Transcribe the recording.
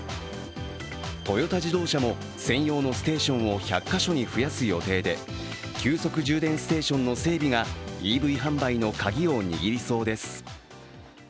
トヨタ自動車も専用のステーションを１００か所に増やす予定で急速充電ステーションの整備がＥＶ販売のカギを握りそうです。